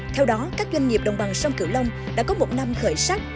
theo đó các doanh nghiệp đồng bằng sông cửu long đã có một năm khởi sắc